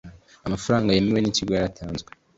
amafaranga yemewe n’ikigo yaratanzwe